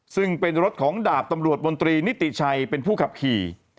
ซึ่งเป็นรถของดาบตำรวจมนตรีนิติชัยเป็นผู้ขับขี่